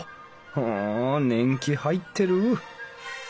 ふん年季入ってる。